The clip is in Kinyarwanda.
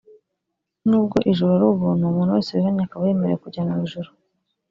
n’ubwo ijuru ari ubuntu umuntu wese wihannye akaba yemerewe kujya mw’ ijuru